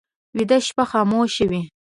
ویده شپه خاموشه وي